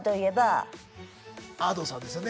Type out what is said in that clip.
Ａｄｏさんですよね。